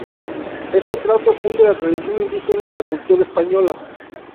Este plato funde la tradición indígena y la cultura española.